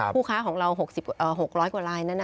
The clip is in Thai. ผู้ค้าของเรา๖๐๐กว่าลายนั้น